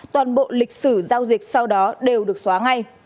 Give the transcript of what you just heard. toàn bộ lịch sử giao dịch sau đó đều được xóa ngay